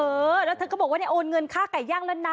เออแล้วเธอก็บอกว่าได้โอนเงินค่าไก่ย่างแล้วนะ